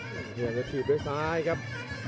เหมือนจะทีบด้วยซ้ายครับ